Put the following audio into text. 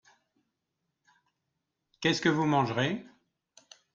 Qu'est-ce que vous mangerez ?